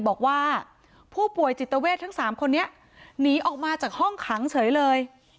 บอกว่าผู้ป่วยจิตเวททั้ง๓คนนี้หนีออกมาจากห้องขังเฉยเลย